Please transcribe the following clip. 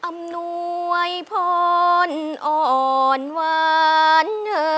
อำนวยพรอ่อนหวาน